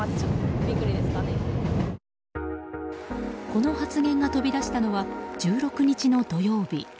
この発言が飛び出したのは１６日の土曜日。